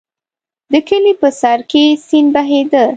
د کلي په سر کې سیند بهېده.